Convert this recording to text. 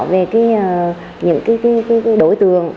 về những đội tường